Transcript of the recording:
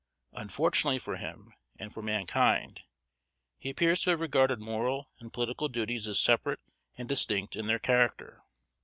Unfortunately for him and for mankind, he appears to have regarded moral and political duties as separate and distinct in their character.